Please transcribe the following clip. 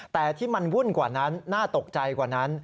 แต่ที่มันวุ่นกว่านั้นน่าตกใจกว่านั้น